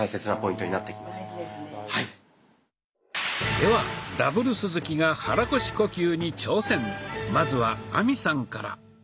ではＷ鈴木がまずは亜美さんから。